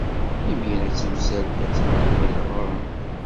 Imir-a, tamsalt attan tugel ɣer-m.